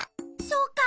そうか。